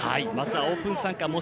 まずはオープン参加